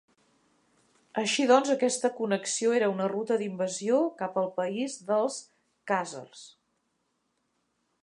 Així doncs aquesta connexió era una ruta d'invasió cap al país dels khàzars.